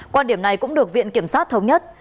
quan điểm này cũng được viện kiểm sát thống nhất